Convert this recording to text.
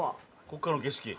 ここからの景色。